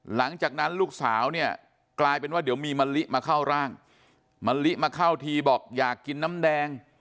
หลังจากนั้นลูกสาวเนี่ยกลายเป็นว่าเดี๋ยวมีมะลิมาเข้าร่างมะลิมาเข้าทีบอกอยากกินน้ำแดง